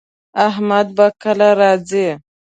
احمد به کله راځي